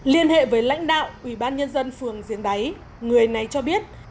liên hệ với lãnh đạo ủy ban nhân dân phường giếng đáy người này cho biết